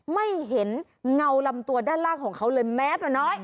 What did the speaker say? ไม่เห็นเงาลำตัวด้านล่างของเขาเลยแม้แต่น้อย